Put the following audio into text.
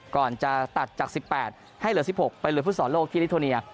ก่อนจะตัดจาก๑๘ให้เหลือ๑๖ไปเหลือฟุตซอลโลกที่ลิโทเนีย